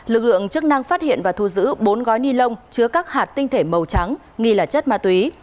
lực lượng chức năng phát hiện và thu giữ bốn gói ni lông chứa các hạt tinh thể màu trắng nghi là chất ma túy